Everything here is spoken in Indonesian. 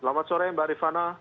selamat sore mbak rifana